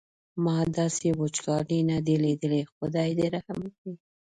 ما داسې وچکالي نه ده لیدلې خدای دې رحم وکړي.